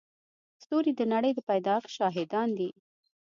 ستوري د نړۍ د پيدایښت شاهدان دي.